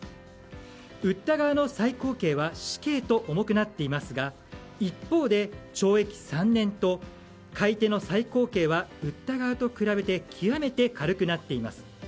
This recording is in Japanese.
売った側の最高刑は死刑と重くなっていますが一方で懲役３年と買い手の最高刑は売った側と比べて極めて軽くなっています。